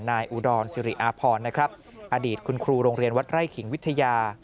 อุดรสิริอาพรนะครับอดีตคุณครูโรงเรียนวัดไร่ขิงวิทยา